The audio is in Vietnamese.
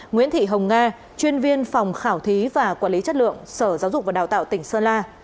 nguyễn thị hồng nga chuyên viên phòng khảo thí và quản lý chất lượng sở giáo dục và đào tạo tỉnh sơn la